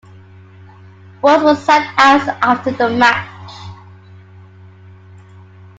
Walls was sacked hours after the match.